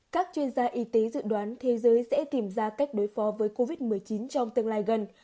các chuyên gia y tế dự đoán thế giới sẽ tìm ra cách đối phó với covid một mươi chín trong tương lai gần